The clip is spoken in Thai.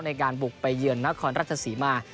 ในการบุกไปเยือนนครราชศรีมา